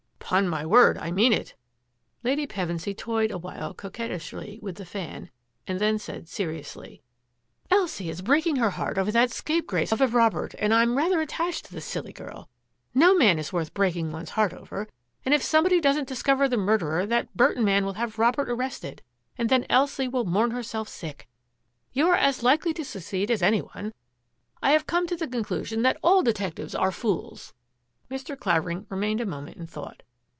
" Ton my word, I mean it." Lady Pevensy toyed a while coquettishly with the fan, and then said seriously, ^' Elsie is breaking her heart over that scapegrace of a Robert, and I'm rather attached to the silly girl — no man is worth breaking one's heart over — and if somebody doesn't discover the murderer, that Burton man will have Robert arrested and then Elsie will mourn herself sick. You are as likely to succeed as any one. I have come to the conclusion that all detec tives are fools." Mr. Clavering remained a moment in thought.